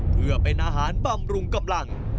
เพื่อเป็นอาหารบำรุงกำลัง